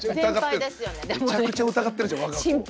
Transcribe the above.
めちゃくちゃ疑ってる。